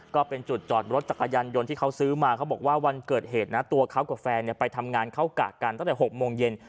ก็เป็นจุดจอดรถจักรยานยนต์ที่เขาซื้อมาเขาบอกว่าวันเกิดเหตุนะตัวเขากับแฟนไปทำงานเข้ากะกันตั้งแต่๖โมงเย็น